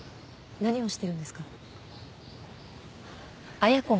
何をしてるんですか？